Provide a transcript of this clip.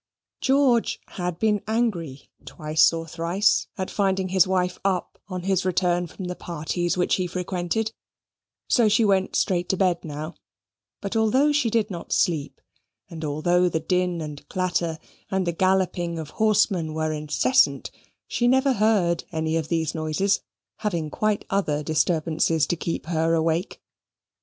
George had been angry twice or thrice at finding his wife up on his return from the parties which he frequented: so she went straight to bed now; but although she did not sleep, and although the din and clatter, and the galloping of horsemen were incessant, she never heard any of these noises, having quite other disturbances to keep her awake.